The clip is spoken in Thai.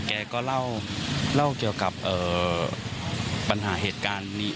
แกก็เล่าเกี่ยวกับปัญหาเหตุการณ์นี้